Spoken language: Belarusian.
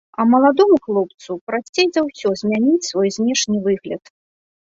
А маладому хлопцу прасцей за ўсё змяніць свой знешні выгляд.